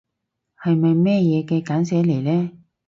係咪咩嘢嘅簡寫嚟呢？